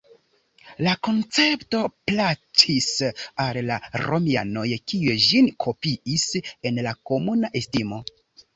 La koncepto plaĉis al la romianoj kiuj ĝin kopiis en la komuna estimo.